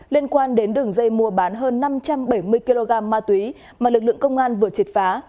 liên quan đến đường dây mua bán hơn năm trăm bảy mươi kg ma túy mà lực lượng công an vừa triệt phá